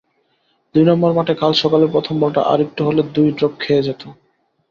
দুই নম্বর মাঠে কাল সকালের প্রথম বলটা আরেকটু হলে দুই ড্রপ খেয়ে যেত।